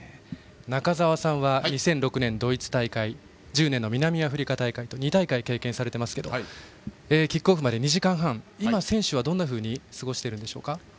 中澤さんは２００６年のドイツ大会２０１０年の南アフリカ大会と２大会経験されていますがキックオフまで２時間半今、選手はどんなふうに過ごしているんでしょうか。